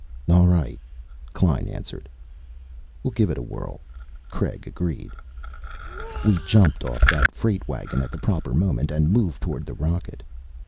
"All right," Klein answered. "We'll give it a whirl," Craig agreed. We jumped off that freight wagon at the proper moment and moved toward the rocket.